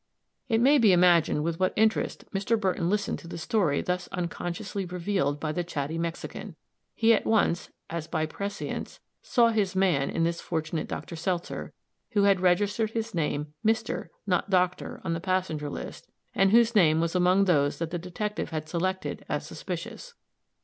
It may be imagined with what interest Mr. Burton listened to the story thus unconsciously revealed by the chatty Mexican. He at once, as by prescience, saw his man in this fortunate Dr. Seltzer, who had registered his name Mr., not Dr., on the passenger list, and which name was among those that the detective had selected as suspicious.